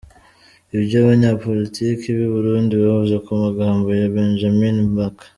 Ibyo abanyapolitiki b’i Burundi bavuze ku magambo ya Benjamin Mkapa.